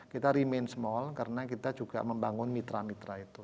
kita remain small karena kita juga membangun mitra mitra itu